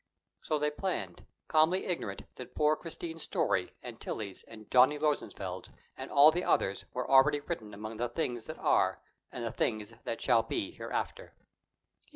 So they planned, calmly ignorant that poor Christine's story and Tillie's and Johnny Rosenfeld's and all the others' were already written among the things that are, and the things that shall be hereafter.